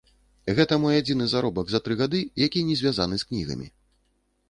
Гэта мой адзіны заробак за тры гады, які не звязаны з кнігамі.